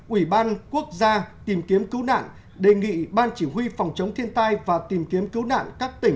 ủy ban quốc gia tìm kiếm cứu nạn đề nghị ban chỉ huy phòng chống thiên tai và tìm kiếm cứu nạn các tỉnh